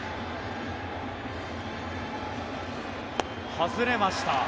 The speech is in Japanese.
外れました。